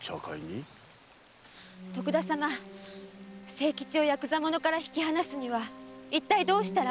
清吉をやくざ者から引き離すにはいったいどうしたら？